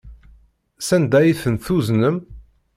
Sanda ay tent-tuznem?